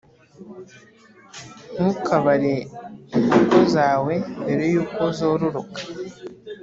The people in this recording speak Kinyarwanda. ntukabare inkoko zawe mbere yuko zororoka. ”